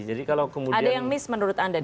ada yang miss menurut anda di sini